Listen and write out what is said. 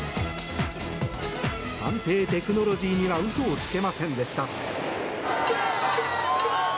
判定テクノロジーには嘘をつけませんでした。